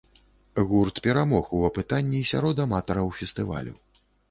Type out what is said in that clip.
Гурт перамог у апытанні сярод аматараў фестывалю.